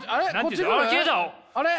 あれ？